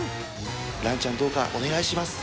ランちゃん、どうかお願いします。